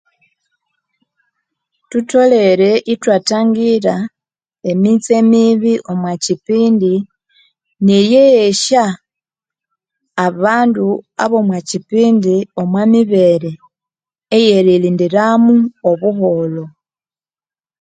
Thutholere ithwathangira emitse mibi omwakipindi neryeghesa abandu abwomwakipindi emibere eyeririndiramo obuholho